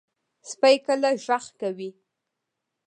سپي کله غږ کوي.